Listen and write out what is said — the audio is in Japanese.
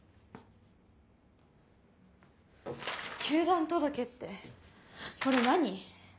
休団届ってこれ何？